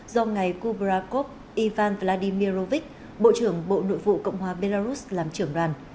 do ngày kubrakov ivan vladimirovich bộ trưởng bộ nội vụ cộng hòa belarus làm trưởng đoàn